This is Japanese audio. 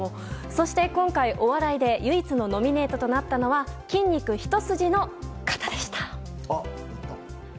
そして、今回お笑いで唯一のノミネートとなったのは筋肉ひと筋の方でした。